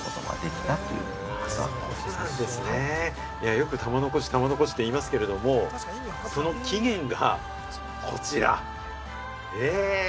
よく玉の輿、玉の輿って言いますけれども、その起源がこちら、へえ！